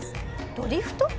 「ドリフト？